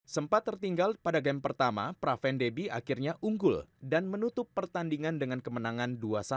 sempat tertinggal pada game pertama praven debbie akhirnya unggul dan menutup pertandingan dengan kemenangan dua satu